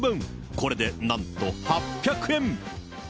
これでなんと８００円。